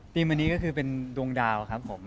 มานี้ก็คือเป็นดวงดาวครับผม